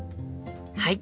はい！